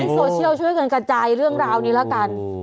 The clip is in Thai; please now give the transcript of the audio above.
โซเชียลช่วยกันกระจายเรื่องราวนี้แล้วกัน